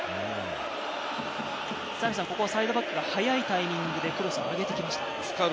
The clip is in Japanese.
サイドバックが早いタイミングでクロスを上げてきました。